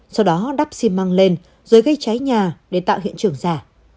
sau đó đắp xi măng lên rồi gây cháy nhà để tạo hiện trường giả